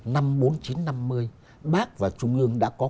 năm bốn mươi chín năm mươi bác và trung ương đã có